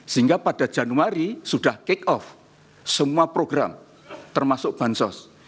sehingga pada januari sudah kick off semua program termasuk bansos